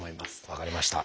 分かりました。